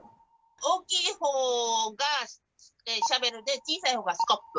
大きい方がシャベルで小さい方がスコップ。